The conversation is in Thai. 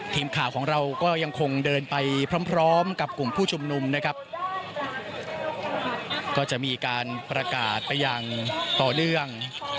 ทีมข่าวของเราก็ยังคงเดินไปพร้อมพร้อมกับกลุ่มผู้ชุมนุมนะครับก็จะมีการประกาศไปอย่างต่อเนื่อง